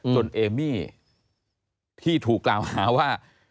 เอมี่ที่ถูกกล่าวหาว่า